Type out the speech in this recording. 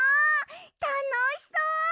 たのしそう！